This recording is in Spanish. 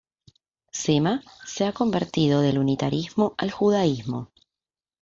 Zimmer se ha convertido del Unitarismo al Judaísmo.